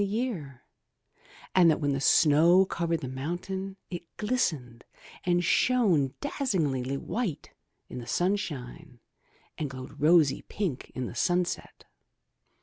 252 THROUGH FAIRY HALLS the year, and that when the snow covered the mountain it glistened and shone dazzlingly white in the sunshine and glowed rosy pink in the sunset.